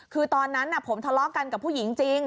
คือตอนนั้นผมทะเลาะกันกับผู้หญิงจริง